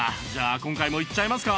今回もいっちゃいますか！